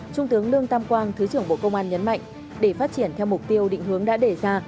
trung tướng lương tam quang thứ trưởng bộ công an nhấn mạnh để phát triển theo mục tiêu định hướng đã đề ra